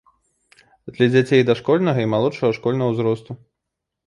Для дзяцей дашкольнага і малодшага школьнага ўзросту.